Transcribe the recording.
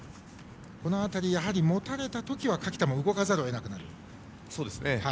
この辺り、持たれたときは垣田も動かざるを得なくなると。